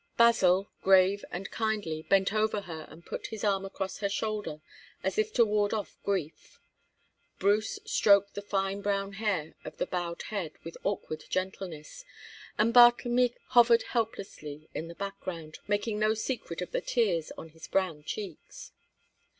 Basil, grave and kindly, bent over her and put his arm across her shoulder as if to ward off grief. Bruce stroked the fine brown hair of the bowed head with awkward gentleness, and Bartlemy hovered helplessly in the background, making no secret of the tears on his brown cheeks.